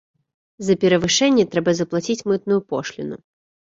За перавышэнне трэба заплаціць мытную пошліну.